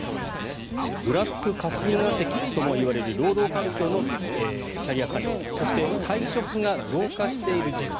ブラック霞が関ともいわれる労働環境のキャリア官僚そして、退職が増加している実態